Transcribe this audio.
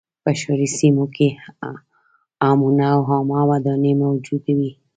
په ښاري سیمو کې حمونه او عامه ودانۍ موجودې وې